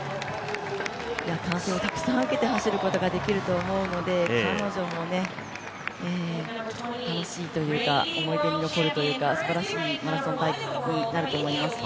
歓声をたくさん受けて走ることができると思うので彼女も楽しいというか、思い出に残るというか、すばらしいマラソンになると思います。